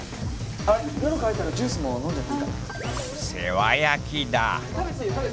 あっ喉渇いたらジュースも飲んじゃっていいから。